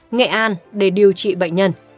nghệ an để điều trị bệnh nhân